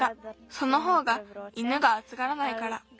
そのほうが犬があつがらないから。